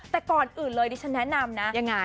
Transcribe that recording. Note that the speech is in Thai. แต่ก่อนอื่นเลยดิฉันแนะนำนะยังไง